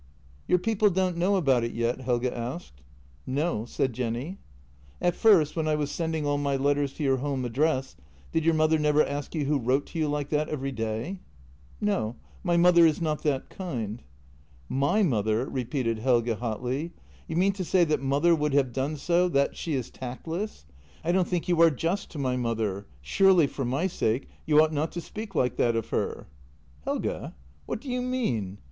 "Your people don't know about it yet?" Helge asked. " No," said Jenny. " At first, when I was sending all my letters to your home address, did your mother never ask who wrote to you like that every day? "" No. My mother is not that kind." " My mother," repeated Helge hotly. " You mean to say that mother would have done so — that she is tactless. I don't think you are just to my mother — surely, for my sake, you ought not to speak like that of her." "Helge! What do you mean?"